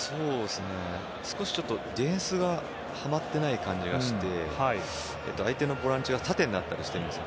少しディフェンスがはまってない感じがして相手のボランチが縦になったりしてるんです。